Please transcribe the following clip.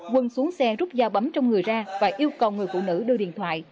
quân xuống xe rút dao bấm trong người ra và yêu cầu người phụ nữ đưa điện thoại